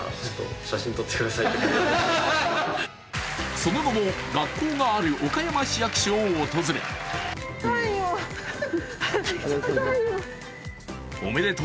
その後も学校のある岡山市役所を訪れおめでとう